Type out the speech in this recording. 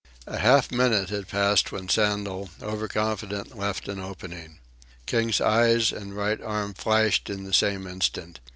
A half minute had passed when Sandel, over confident, left an opening. King's eyes and right arm flashed in the same instant.